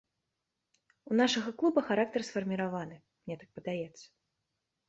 У нашага клуба характар сфарміраваны, мне так падаецца.